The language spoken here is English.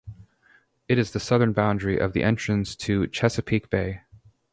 It is the southern boundary of the entrance to Chesapeake Bay.